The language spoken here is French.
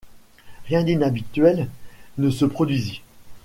Rien d’inhabituel ne se produisit.